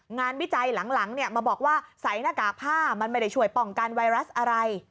วิจัยหลังมาบอกว่าใส่หน้ากากผ้ามันไม่ได้ช่วยป้องกันไวรัสอะไร